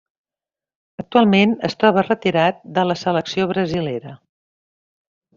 Actualment es troba retirat de la selecció brasilera.